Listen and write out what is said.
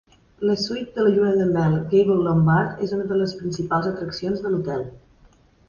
La suite de lluna de mel Gable-Lombard és una de les principals atraccions de l"hotel.